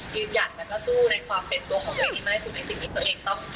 หัดแล้วก็สู้ในความเป็นตัวของตัวเองให้มากที่สุดในสิ่งที่ตัวเองต้อง